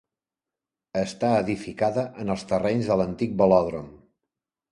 Està edificada en els terrenys de l'antic velòdrom.